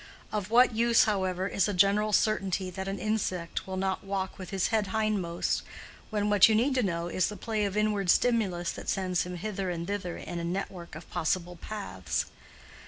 Of what use, however, is a general certainty that an insect will not walk with his head hindmost, when what you need to know is the play of inward stimulus that sends him hither and thither in a network of possible paths?